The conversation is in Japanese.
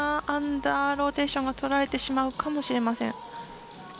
アンダーローテーションはとられてしまうかもしれません。